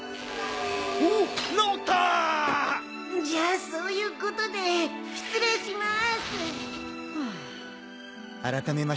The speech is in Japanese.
じゃあそういうことで失礼します。